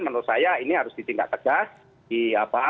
menurut saya ini harus ditindak tegas